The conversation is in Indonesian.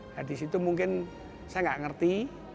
nah di situ mungkin saya nggak ngerti